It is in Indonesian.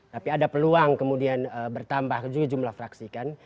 tapi ada peluang kemudian bertambah juga jumlah fraksi kan